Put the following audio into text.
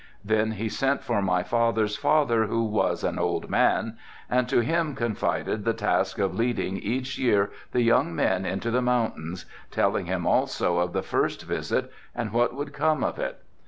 Then he sent for my father's father, who was an old man, and to him confided the task of leading each year the young men into the mountains, telling him also of the first visit and what would come of it.